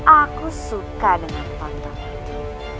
aku suka dengan tontonan